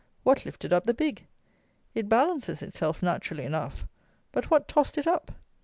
What lifted up the big? It balances itself naturally enough; but what tossed it up?